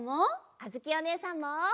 あづきおねえさんも！